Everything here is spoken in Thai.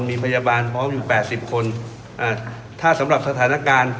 มีพยาบาลพร้อมอยู่แปดสิบคนอ่าถ้าสำหรับสถานการณ์